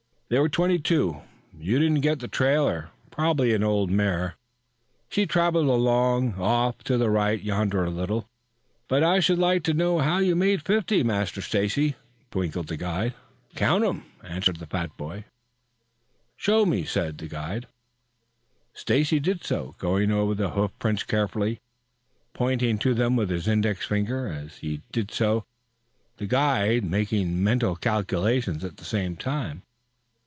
"There were twenty two. You didn't get the trailer, probably an old mare. She traveled along off to the right yonder a little. But I should like to know how you made fifty, Master Stacy!" twinkled the guide. "Counted 'em," answered the fat boy. "Show me?" Stacy did so, going over the hoofprints carefully, pointing to them with his index finger as he did so, the guide making mental calculations at the same time.